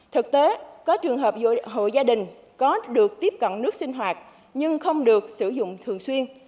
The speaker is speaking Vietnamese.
thực tế có trường hợp hộ gia đình có được tiếp cận nước sinh hoạt nhưng không được sử dụng thường xuyên